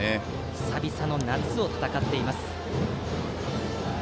久々の夏を戦っています。